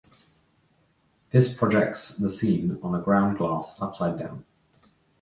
This projects the scene on the ground glass upside down.